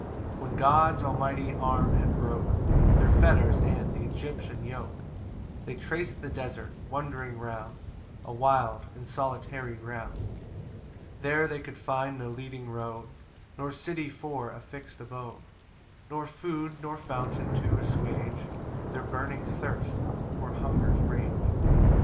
3 [When God's almighty arm had broke Their fetters and th' Egyptian yoke, They trac'd the desert, wandering round A wild and solitary ground. 4 There they could find no leading road, Nor city for a fix'd abode; Nor food, nor fountain to assuage Their burning thirst, or hunger's rage.